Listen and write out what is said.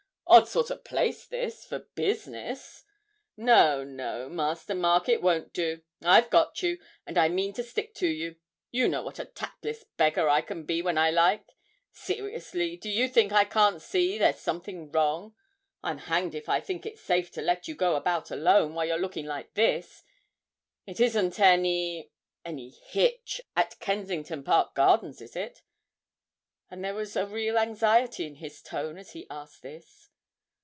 'Odd sort of place this for business! No, no, Master Mark, it won't do; I've got you, and I mean to stick to you; you know what a tactless beggar I can be when I like. Seriously, do you think I can't see there's something wrong? I'm hanged if I think it's safe to let you go about alone while you're looking like this; it isn't any any hitch at Kensington Park Gardens, is it?' and there was a real anxiety in his tone as he asked this.